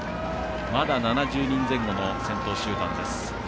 まだ７０人前後の先頭集団です。